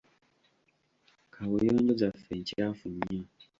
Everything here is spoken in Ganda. Kaabuyonjo zaffe nkyafu nnyo.